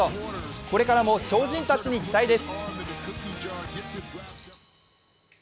これからも超人たちに期待です。